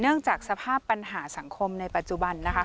จากสภาพปัญหาสังคมในปัจจุบันนะคะ